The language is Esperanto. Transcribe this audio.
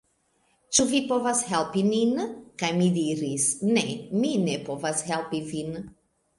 Ĉu vi povas helpi nin?" kaj mi diris: "Ne, mi ne povas helpi vin!